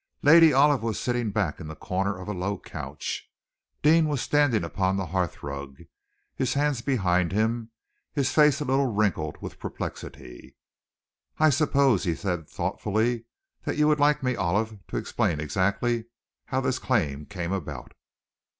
Lady Olive was sitting back in the corner of a low couch. Deane was standing upon the hearthrug, his hands behind him, his face a little wrinkled with perplexity. "I suppose," he said thoughtfully, "you would like me, Olive, to explain exactly how this claim came about?"